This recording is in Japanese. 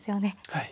はい。